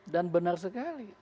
dan benar sekali